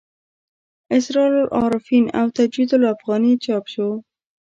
اسرار العارفین او تجوید الافغاني چاپ شو.